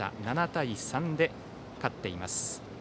７対３で勝っています。